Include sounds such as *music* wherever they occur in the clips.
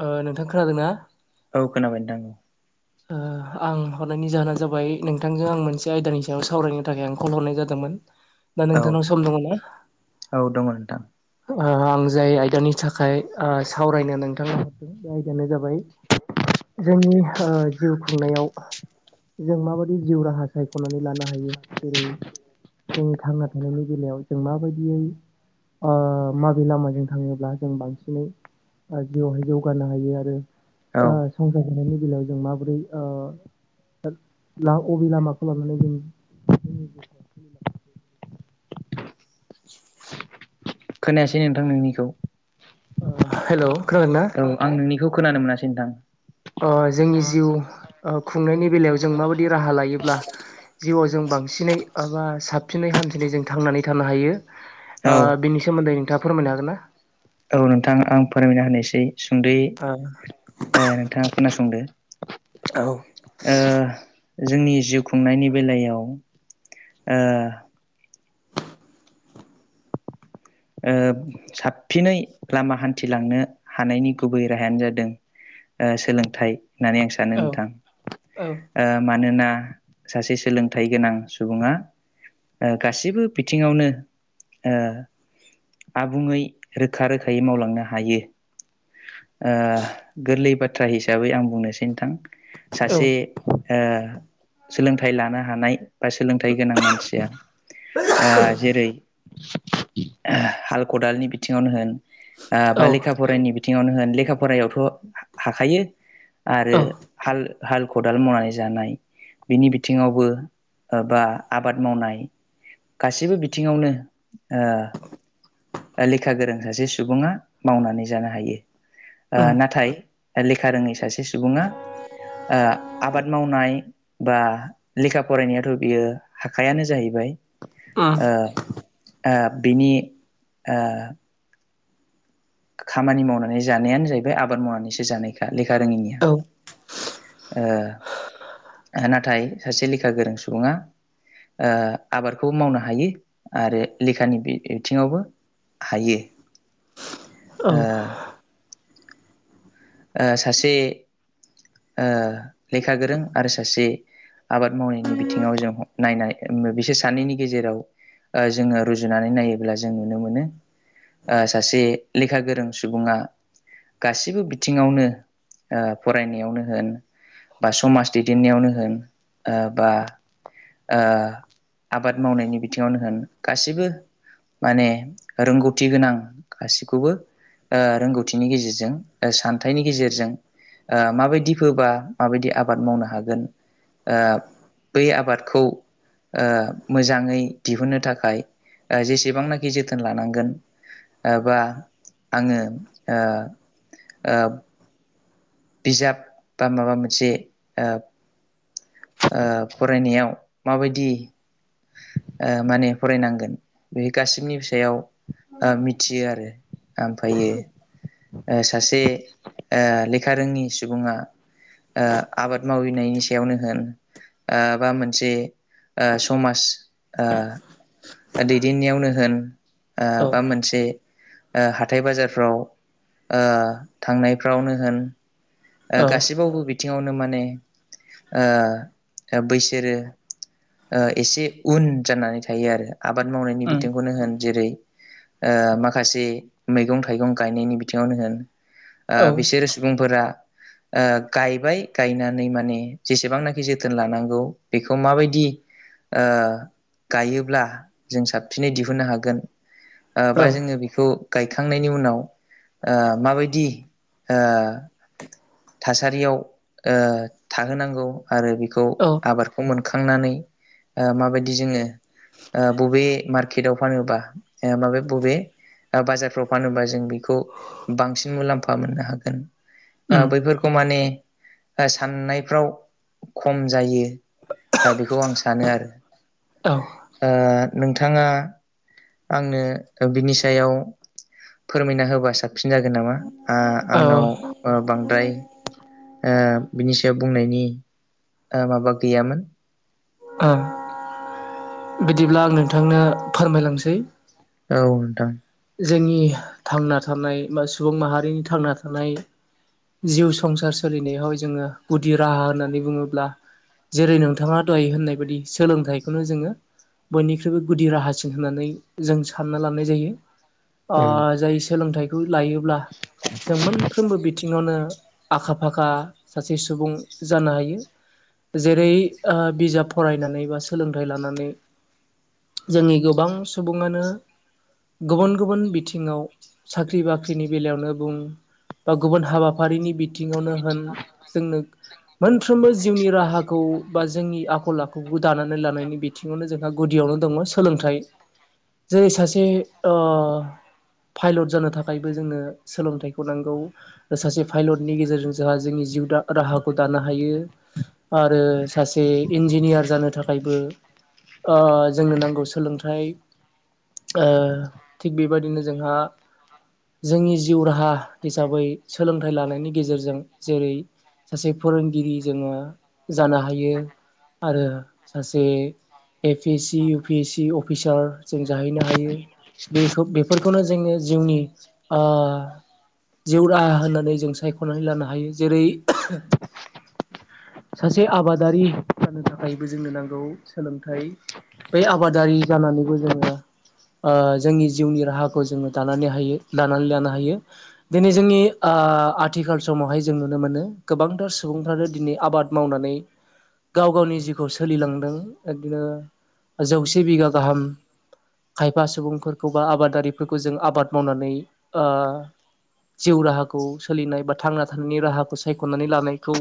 ओ नोंथां खोनादों ना? औ खोनाबाय नोंथां उम। ओ आं हरनायनि जाहोना जाबाय नोंथांजों आं मोनसे आयदानि सायाव सावरायनो थाखाय आं कल हरनाय जादोंमो मोन दा औ नोंथांनाव सम दङ ना? औ दङ नोंथां ओ आं जाय आयदानि थाखाय ओ सावरायनो नोंथाङा हरदों बे आयदायानो जाबाय जोंनि ओ जिउ खुंनायाव जों माबादि जिउ राहा सायख'नानै लानो हायो जेरै जों थांना थानायनि बेलायाव जों माबायदियै ओ माबे लामाजों थाङोब्ला जों बांसिनै ओ जिउआवहाय जौ गानो हायो आरो औ ओ संसार जानायनि बेलायाव जों माबोरै ओ ला अबे लामाखौ लानानै जों जोंनि जिउखौ *unintelligible* खोनायासै नोंथां नोंनिखौ? ओ हेल' खोनादोंना? औ आं नोंनिखौ खोनानो मोनासै नोंथां। ओ जोंनि जिउ ओ खुंनायनि बेलायाव जों माबायदि राहा लायोब्ला जिउआव जों बांसिनै एबा साबसिनै हामसिनै जों थांनानै थानो हायो। औ ओ बिनि सोमोन्दै नोंथाङा फोरमायनो हागोन ना? औ नोंथां आं फोरमायना होनोसै सुंदै ओ नोंथाङा खोनासंदो। ओ जोंनि जिउ खुंनायनि बेलायाव ओ ओ साबसिनै लामा हान्थिलांनो हानायनि गुबै राहायानो जादों ओ सोलोंथाइ होननानै आं सानो औ नोंथां औ ओ मानोना ना सासे सोलोंथाइ गोनां सुबुङा ओ गासिबो बिथिङावनो ओ आबुङै रोखा रोखायै मावलांनो हायो। ओ गोरलै बाथ्रा हिसाबै आं बुंनोसै नोंथां। औ सासे ओ सोलोंथाइ लानो हानाय बा सोलोंथाइ गोनां मानसिया ओ जेरै हाल खदालनि बिथिङावनो होन ओ बा लेखा फरानि बि थिङावनो होन लेखा फरायावथ' हाखायो आरो औ हाल हाल खदाल मावनानै जानाय बिनि बिथिङावबो ओ बा आबाद मावनाय गासैबो बिथिङावनो ओ ओ लेखा गोरों सासे सुबुङा मावनानै जानो हायो। ओ औ उम नाथाय लेखा रोङै सासे से सुबुङा ओ आबाद मावनाय बा लेखा फरायनायाथ' बियो हाखायानो जाहैबाय ओ उम ओ बिनि ओ खामानि मावनानै जानायानो जाहैबाय आबाद मावनानैसो जानायखा लेखा रोङिनिया औ ओ ओ नाथाय सासे लेखा गोरों सुबुङा ओ आबादखौबो मावनो हायो आरो लेखानि बि-बिथिङावबो हायो औ ओ‌। ओ सासे ओ लेखा गोरों आरो सासे आबाद मावनायनि बिथिङाव जों नायनाय बिसोर सानैनि गेजेराव ओ जोङो रुजुनानै नायोब्ला जों नुनो मोनो ओ सासे लेखा गोरों सुबुङा गासिबो बिथिङावनो ओ फरायनायावनो होन बा समाज दैदेननायावनो होन ओ बा ओ आबाद मावनायनि बिथिङावनो होन गासैबो माने रोंगौथि गोनां गासैखौबो ओ रोंगौथिनि गेजेरजों सानथाइनि गेजेरजों ओ माबायदि फोबा माबायदि आबाद मावनो हागोन ओ बै आबादखौ ओ मोजाङै दिहुननो थाखाय ओ जेसेबांनाखि जोथोन लानांगोन ओ बा आङो ओ ओ बिजाब बा माबा मोनसे ओ ओ फरायनायाव माबायदि ओ माने फरायनांगोन बे गासैनिबो सायाव ओ मिथियो आरो ओमफ्रायो ओ सासे ओ लेखा रोङि सुबुङा ओ आबाद मावैनायनि सायावनो होन ओ बा मोनसे ओ समाज ओ दैदेननायावनो होन ओ औ बा मोनसे ओ हाथाय बाजारफ्राव ओ थांनायफ्रावनो होन ओ औ गासैबो बिथिङावनो नो माने ओ बैसोरो ओ एसे उन जानानै थायो आरो आबाद मावनायनि उम बिथिंखौनो होन जेरै ओ माखासे मैगं थाइगं गायनायनि बिथिङावनो होन ओ औ औ बिसोरो सुबुंफोरा ओ गायबाय गायनानै माने जेसेबांनाखि जोथोन लानांगौ बेखौ माबायदि ओ गायोब्ला जों साबसिनै दिहुननो हागोन ओ बा जोङो बेखौ गायखांनायनि उनाव ओ माबायदि ओ थासारियाव ओ थाहोनांगौ आरो बेखौ आबादखौ मोन मोनखांनानै माबायदि जोङो ओ बबे मार्केटाव फानोबा माबे बबे बाजारफ्राव फानोबा जों बेखौ बांसिन मुलाम्फा मोननो हागोन ओ उम बैफोरखौ माने ओ साननायफ्राव खम जायो ओ बेखौ आं सानो आरो औ ओ नोंथाङा आंनो बिनि सायाव फोरमायना होबा साबसिन जागोन नामा ओ औ आंनाव ओ बांद्राय ओ बिनि सायाव बुंनायनि ओ माबा गैयामोन ओ बिदिब्ला आं नोंथांनो फोरमायलांसै औ नोंथां। जोंनि थांना थानाय बा सुबुं माहारिनि थांना थानाय जिउ संसार सोलिनायाव जोङो गुदि राहा होननानै बुङोब्ला जेरै नोंथाङा दहाय होननाय बायदि सोलोंथाइखौनो जोङो बयनिख्रुइबो गुदि राहासिन होननानै जों सानना लानाय जायो। ओ औ जाय सोलोंथाइखौ लायोब्ला जों मोनफ्रोमबो बिथिङावनो आखा फाखा सासे सुबुं जानो हायो। जेरै ओ बिजाब फरायनानै बा सोलोंथाइ लानानै जोंनि गोबां सुबुङानो गुबुन गुबुन बिथिङाव साख्रि बाख्रिनि बेलायावनो बुं बा गुबुन हाबाफारिनि बिथिङावनो होन जोंनो मोनफ्रोमबो जिउनि राहाखौ बा जोंनि आखल आखुखौ दानानै लानायनि बिथिं बिनो जोंहा गुदियावनो दङ सोलोंथाइ जेरै सासे ओ पाइलट जानो थाखायबो जोङनो सोलोंथाइखौ नांगौ सासे पाइलटनि गेजेरजों जोंहा जोंनि जिउ राहाखौ दानो हायो आरो सासे इन्जिनियार जानो थाखायबो ओ जोंनो नांगौ सोलोंथाइ ओ थिग बेबायदिनो जोंहा जोंनि जिउ राहा हिसाबै सोलोंथाइ लानायनि गेजेरजों जेरै सासे फोरोंगिरि जोङो जानो हायो आरो सासे A P C U P C अफिसार जों जाहैनो हायो। बेखौ बेफोरखौनो जोङो जिउनि ओ जिउ राहा होननानै जों सायख'नानै लानो हायो जेरै सासे आबादारि जानो थाखायबो जोंनो नांगौ सोलोंथाइ बै आबादारि जानानैबो जोङो ओ जोंनि जिउनि राहाखौ जोङो दानानै हायो दानानै लानो हायो दिनै जोंनि ओ ओ आथिखाल समावहाय जों नुनो मोनो गोबांथार सुबुंफ्रानो दिनै आबाद मावनानै गाव गावनि जिउखौ सोलिलांदों बिदिनो जौसे बिगा गाहाम खायफा सुबुंफोरखौ बा आबादारिफोरखौ जों आबाद मावनानै ओ जिउ राहाखौ सोलिनाय बा थांना थानायनि राहाखौ सायख'नानै लानायखौ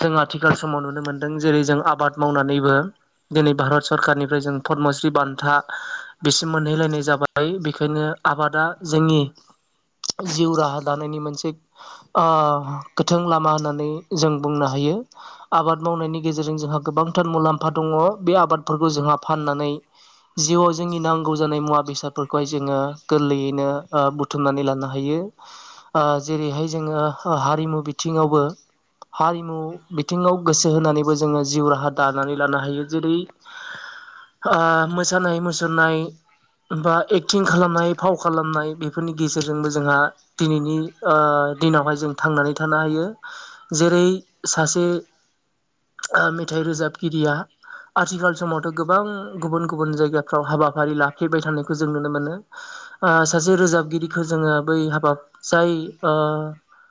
जों आथिखाल उदां समाव नुनो मोन्दों जेरै जों आबाद मावनानैबो दिनै भारत सरकारनिफ्राय जों पदमश्रि बान्था बिसिम मोनहैलायनाय जाबाय बेखायनो आबादा जोंनि जिउ राहा दानायनि मोनसे ओ गोथों लामा होननानै जों बुंनो हायो। आबाद मावनायनि गेजेरजों जोंहा गोबांथार मुलाम्फा दङ बे आबादफोरखौ जोंहा फाननानै जिउआव जोंनि नांगौ जानाय मुवा बेसादफोरखौहाय जोङो गोरलैयैनो ओ बुथुमनानै लानो हायो ओ जेरैहाय जोङो ह हारिमु बिथिावबो हारिमु बिथिङाव गोसो होनानैबो जोंङो जिउ राहा दानानै लानो हायो जेरै ओ मोसानाय मुसुरनाय बा एक्टिं खालामनाय फाव खालामनाय बेफोरनि गेजेरजोंबो जोंहा दिनैनि ओ दिनावहाय जों थांनानै थानो हायो जेरै सासे ओ मेथाइ रोजाबगिरिया आथिखाल समावथ' गोबां गुबुन गुबुन जायगाफ्राव हाबाफारि लाफैबाय थानायखौ जों नुनो मोनो। ओ सासे रोजाबगिरिखौ जोङो बै हाबाब जाय ओ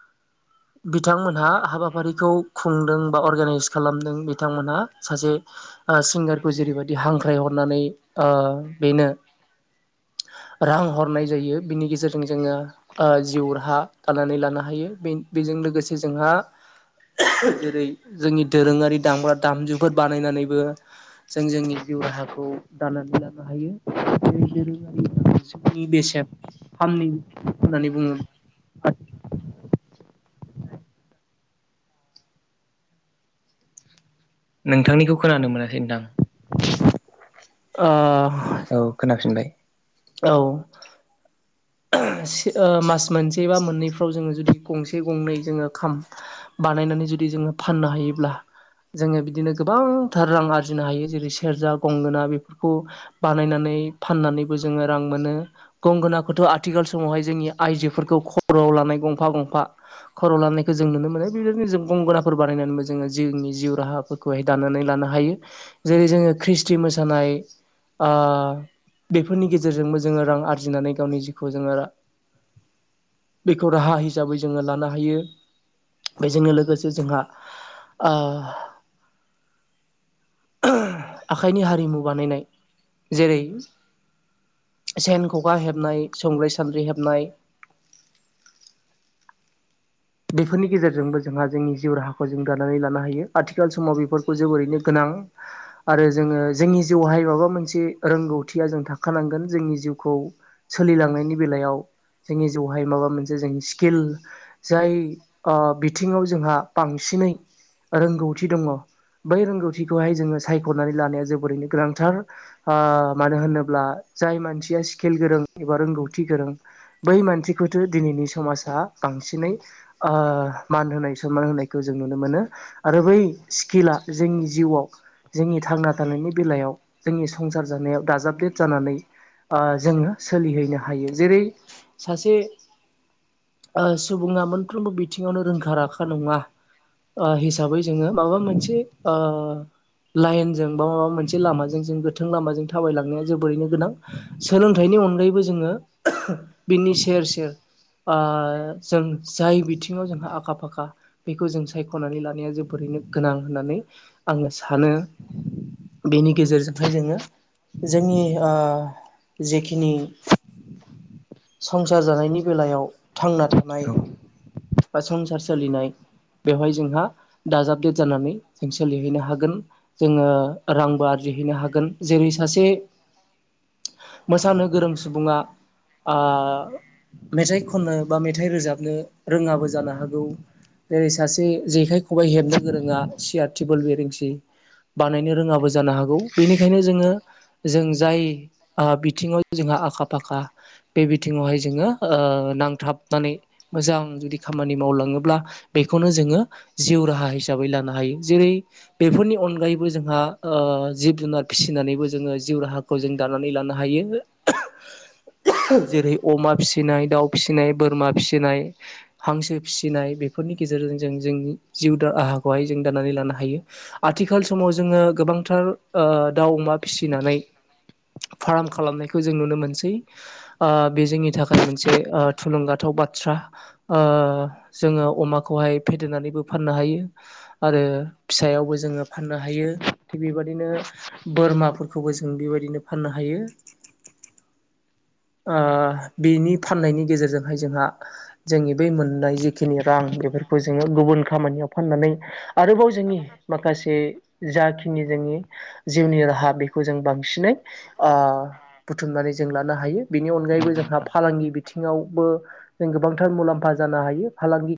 *inaudible* बिथांमोनहा हाबाफारिखौ खुंदों बा अर्गेनाइस खालामदों बिथांमोनहा सासे सिंगारखौ जेरैबायदि हांख्रायहरनानै ओ बेनो *inaudible* रां हरनाय जायो बिनि गेजेरजों जोंङो जिउ राहा दानानै लानो हायो बे लोगोसे जोंहा जेरै जोंनि दोरोंङारि दामग्रा दामजु बानायनानैबो जों जोंनि जिउ राहाखौ दानानै लानो हायो बे दोरोंङारिया जोंनि बेसे फामनि होननानै बुङो। औ नोंथांनिखौ खोनानो मोनासै नोंथां। *inaudible* अ औ खोनाफिनबाय। औ *inaudible* मास मोनसे बा मोननैफ्राव जोङो जुदि गंसे गंनै जोंङो खाम बानायनानै जुदि जोंङो फाननो हायोब्ला। जोङो बिदिनो गोबांथार रां आरजिनो हायो जेरै सेरजा गंगोना बेफोरखौ बानायनानै फाननानै जोंबो जों रां मोनो गंगोनाखौथ आथिखाल समावहाय जोंनि आइजोफोरखौ खर'आव लानाय गंफा गंफा खर' लानायखौ जों नुनो मोनो बेबायदिनो जों गंगनाफोर बानायनानैबो जोंङो जिउनि जिउ राहाफोरखौहाय दानानै लानो हायो जेरै जोंङो ख्रिष्टि मोसानाय आ बेफोरनि गेजेरजोंबो जोंङो रां आरजिनानै गावनि जिउखौ जोंङो बेखौ राहा हिसाबै जोंङो लानो हायो। बेजोंनो लोगोसे जोंहा आखाइनि हारिमु बानायनाय जेरै सेन, खखा हेबनाय, संग्रै, सान्द्रि हेबनाय *inaudible* बेफोरनि गेजेरजोंबो जोंहा जोंनि जिउ राहाखौ जों दानानै लानो हायो आथिखाल समाव बेफोरखौ जोबोरैनो गोनां आरो जोंङो जोंनि जिउहाय माबा मोनसे रोंगौथिया जों थाखानांगोन जोंनि जिउखौ खौ सोलिलांनायनि बेलायाव जोंनि जिउहाय माबा मोनसे जों स्किल जाय आ बिथिङाव जोंहा बांसिनै रोंगौथि दंङ बै रोंगौथिखौहाय जोङो सायख'नानै लानाया जोबोरैनो गोनांथार आ मानो होनोब्ला जाय मानसिया स्किल गोरों एबा रोंगौथि गोरों बै मानसिखौथो दिनैनि समाजा बा बांसिनै ओ मान होनाय सनमान होनायखौ जों नुनो मोनो। आरो बै स्किला जोंनि जि जिउआव जोंनि थांना थानायनि बेलायाव जोंनि संसार जानायाव दाजाबदेद जानानै आ जोङो सोलिहैनो हायो जेरै सासे सुबुं सुबुङा मोनफ्रोमबो बिथिङावनो रोंखा राखा नङा ओ हिसाबै जोङो माबा मोनसे ओ लाइनजों बा माबा मोनसे लामाजों जों गोथों लामाजों थाबायलांनाया जोबोरैनो गोनां सोलोंथाइ नि अनगायैबो जोङो बिनि सेर सेर जों जाय बिथिङाव जोंहा आखा फाखा बेखौ जों सायख'नानै लानाया जोबोरैनो गोनां होननानै आङो सानो बेनि गेजेरजोंहाय जोङो जोंनि आ जेखिनि संसार जानायनि बेलायाव थांना थानाय औ बा संसार सोलिनाय बेवहाय जोंहा दाजाबदेट जानानै जों सोलिहैनो हागोन जोङो रांबो आरजि जिहैनो हागोन जेरै सासे *inaudible* मोसानो गोरों सुबुङा आ मेथाइ खननो बा मेथाइ रोजाबनो रोङाबो जानो हागौ जेरै सासे जेखाय खबाइ हेबनो गोरोङा सियार टेबोल बेरेंसि बानायनो रोङाबो जानो हागौ बेनिखायनो जोङो जों आ जाय बिथिङाव जोंहा आखा फाखा बे बिथिङावहाय जोङो ओ नांथाबनानै मोजां जुदि खामानि मावलाङोब्ला बेखौ खौनो जोङो जिउ राहा हिसाबै लानो हायो जेरै बेफोरनि अनगायैबो जोंहा ओ जिब जुनार फिसिनानैबो जोङो जिउ राहाखौ जों दानानै लानो हायो। जेरै अमा फिसिनाय दाउ फिसिनाय बोरमा फिसिनाय हांसो फिसिनाय बेफोरनि गेजेरजों जों जोंनि जिउ दा राहाखौहाय जों दानानै लानो हायो आथिखाल समाव जोङो गोबांथार ओ दाउ अमा फिसिनानै फाराम खालामनायखौ जों नुनो मोनसै ओ बे जोंनि थाखाय मोनसे ओ थुलुंगाथाव बाथ्रा ओ जोङो अमाखौ हाय फेदेरनानैबो फाननो हायो आरो फिसायावबो जोङो फाननो हायो थि बेबायदिनो नो बोरमाफोरखौबो जों बेबायदिनो फाननो हायो। *inaudible* आ बिनि फाननायनि गेजेरजोंहाय जोंहा जोंनि बै मोननाय जिखिनि रां बेफोरखौ जोङो गुबुन खामानियाव फाननानै आरोबाव जोंनि माखासे जाखि जिनि जोंनि जिउनि राहा बेखौ जों बांसिनै आ बुथुमनानै जों लानो हायो। बेनि अनगायैबो नंगौ जोंहा नोंथां फालांगि बिथिङावबो जों गोबांथार मुलाम्फा जानो हायो फालांगि